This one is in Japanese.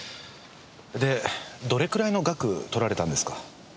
でどれくらいの額取られたんですか？